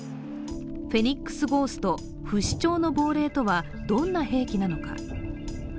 フェニックスゴースト＝不死鳥の亡霊とは、どんな兵器なのか。